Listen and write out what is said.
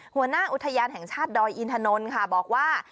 หัวหน้าอุทยานแห่งชาติดอยอินทนนท์ค่ะบอกว่า